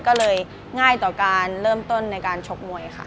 ก็เลยง่ายต่อการเริ่มต้นในการชกมวยค่ะ